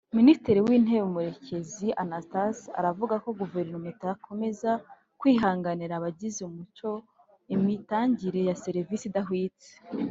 Minisitiri w’Intebe Murekezi Anastase aravuga ko Guverinoma itazakomeza kwihanganira abagize umuco imitangire ya serivisi idahwitse